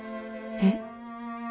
えっ。